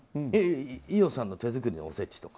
伊代さんの手作りのおせちとか？